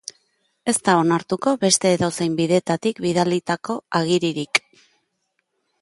Ez da onartuko beste edozein bidetatik bidalitako agiririk.